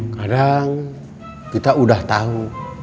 kadang kita udah tahu